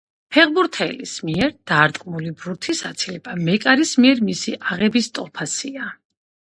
ფეხბურთელის მიერ დარტყმული ბურთის აცილება მეკარის მიერ მისი აღების ტოლფასია.